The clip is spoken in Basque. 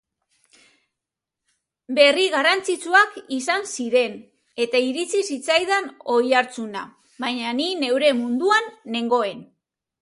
Berri garrantzitsuak izan ziren eta iritsi zitzaidan oihartzuna, baina ni neure munduan nengoen.